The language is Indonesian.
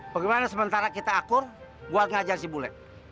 bagaimana sementara kita akur buat ngajar si bule